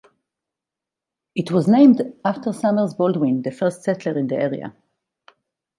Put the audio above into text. It was named after Summers Baldwin, the first settler in the area.